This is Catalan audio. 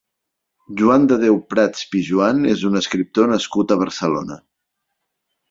Joan de Déu Prats Pijoan és un escriptor nascut a Barcelona.